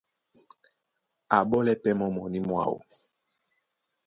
Á ɓole pɛ́ mɔ́ mɔní mwáō.